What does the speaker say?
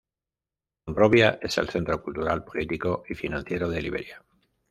Monrovia es el centro cultural, político y financiero de Liberia.